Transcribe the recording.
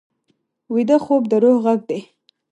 ویده خوب د روح غږ دی